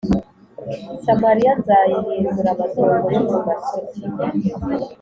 Samariya nzayihindura amatongo yo mu gasozi